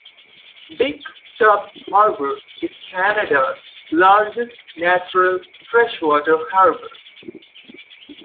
Big Tub Harbour is Canada's largest natural freshwater harbour.